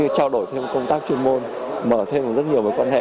trao đổi thêm công tác chuyên môn mở thêm rất nhiều mối quan hệ